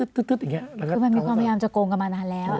คือมันมีความพยายามจะโกงกันมานานแล้ว